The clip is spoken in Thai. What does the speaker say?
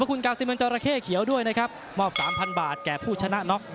คุณกาซิมันจอราเข้เขียวด้วยนะครับมอบ๓๐๐บาทแก่ผู้ชนะน็อก